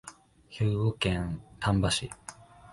兵庫県丹波市